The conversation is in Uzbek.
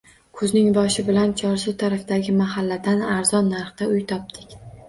Kuzning boshi bilan Chorsu tarafdagi mahalladan arzon narxda uy topdik